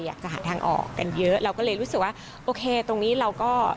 อยากจะหาทางออกกันเยอะเราก็เลยรู้สึกว่าโอเคตรงนี้เราก็